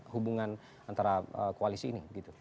hubungan antara koalisi ini